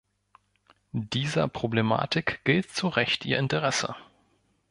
Dieser Problematik gilt zu Recht Ihr Interesse.